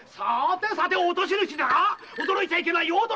さて落とし主だが驚いちゃいけないよ。